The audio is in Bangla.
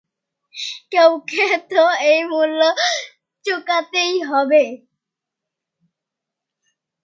কেউকে তো এর মূল্য চোঁকাতেই হবে।